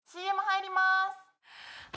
ＣＭ入ります！